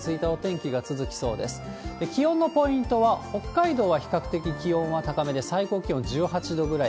気温のポイントは、北海道は比較的気温は高めで、最高気温１８度ぐらい。